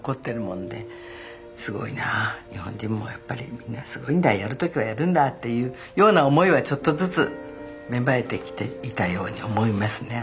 すごいなあ日本人もやっぱりみんなすごいんだやる時はやるんだっていうような思いはちょっとずつ芽生えてきていたように思いますね。